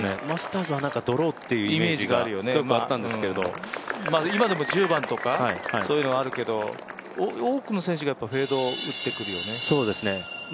マスターズはドローというイメージがすごくあったんですけど、今でも１０番とかそういうのはあるけど、多くの選手がフェードを打ってくるよね。